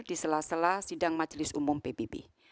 di sela sela sidang majelis umum pbb